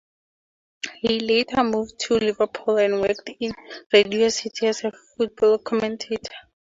He later moved to Liverpool and worked in Radio City as a football commentator.